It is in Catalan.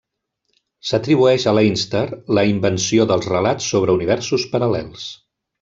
S'atribueix a Leinster la invenció dels relats sobre universos paral·lels.